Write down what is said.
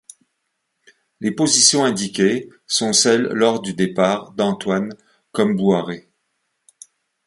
Les positions indiquées sont celles lors du départ d'Antoine Kombouaré.